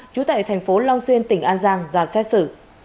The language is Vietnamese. trú tại thành phố long xuyên tỉnh an giang ra xét xử